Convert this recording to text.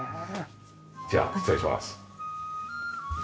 じゃあ失礼します。